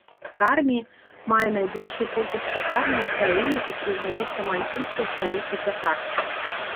Кармі мае найбольшую колькасць пякарняў ў краіне і прызнаецца мальтыйскай сталіцай пякарства.